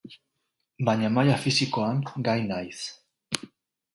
Baina maila fisikoan, gai naiz.